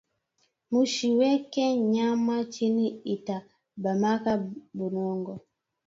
Mushi weke nyama chini ita bamaba bulongo